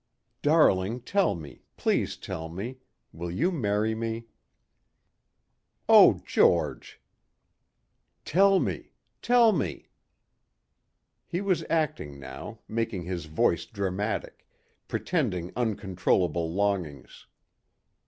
"Darling, tell me ... please tell me will you marry me?" "Oh George!" "Tell me ... tell me...." He was acting now, making his voice dramatic, pretending uncontrollable longings.